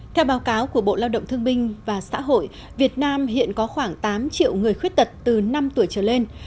theo báo cáo của bộ lao động thương binh và xã hội việt nam hiện có khoảng tám triệu người khuyết tật từ năm tuổi trở lên